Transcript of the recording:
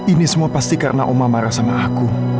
ini semua pasti karena oma marah sama aku